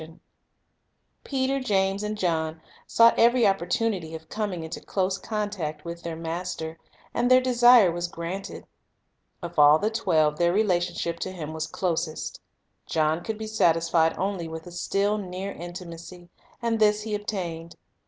'John 17:21 23. An Illustration of His Methods 87 Peter, James, and John sought every opportunity of coming into close contact with their Master, and their John desire was granted. Of all the twelve their relation ship to Him was closest. John could be satisfied only with a still nearer intimacy, and this he obtained.